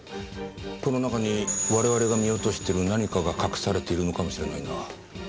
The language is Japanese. この中に我々が見落としてる何かが隠されているのかもしれないな。